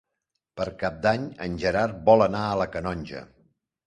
Per Cap d'Any en Gerard vol anar a la Canonja.